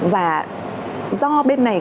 và do bên này